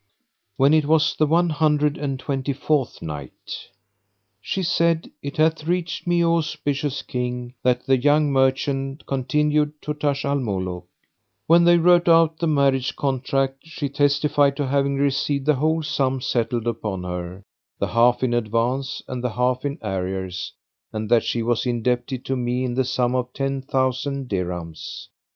When it was the One Hundred and Twenty fourth Night, She said, It hath reached me, O auspicious King, that the young merchant continued to Taj al Muluk: When they wrote out the marriage contract, she testified to having received the whole sum settled upon her, the half in advance and the half in arrears and that she was indebted to me in the sum of ten thousand dirhams.